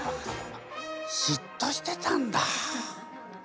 しっとしてたんだ。